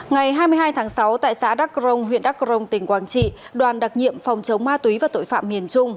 ngày hai mươi hai tháng sáu tại xã đắc rồng huyện đắc rồng tỉnh quảng trị đoàn đặc nhiệm phòng chống ma túy và tội phạm miền trung